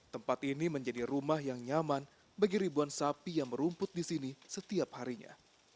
tempat ini menjadi rumah yang nyaman bagi ribuan sapi yang merumput di sini setiap harinya